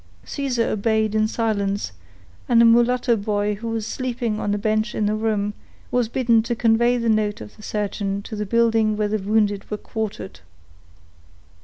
Caesar obeyed in silence, and a mulatto boy who was sleeping on a bench in the room, was bidden to convey the note of the surgeon to the building where the wounded were quartered.